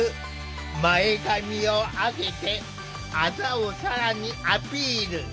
前髪を上げてあざを更にアピール。